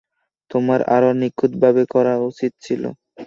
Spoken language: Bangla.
তোমার আরো নিখুঁতভাবে করা উচিত ছিল।